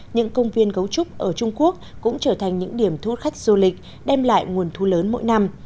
những công viên gấu trúc ở trung quốc cũng trở thành những điểm thu hút khách du lịch đem lại nguồn thu lớn mỗi năm